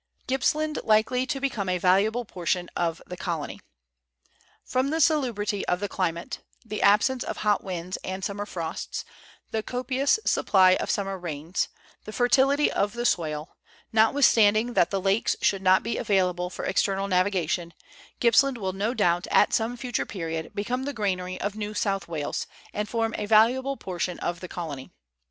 GlPPSLAND LIKELY TO BECOME A VALUABLE PORTION OF THE COLONY. From the salubrity of the climate, the absence of hot winds and summer frosts, the copious supply of summer rains, the fertility of the soil, notwithstanding that the lakes should not be Letters from Victorian Pioneers. 199 available for external navigation, Gippsland will no doubt at some future period become the granary of New South Wales, and form a valuable portion of the colony.